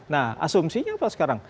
nah asumsinya apa sekarang